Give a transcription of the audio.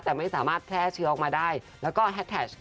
แต่ไม่สามารถแพร่เชื้อออกมาได้แล้วก็แฮดแท็ก